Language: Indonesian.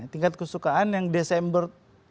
tingkat kesukaan yang desember dua ribu enam belas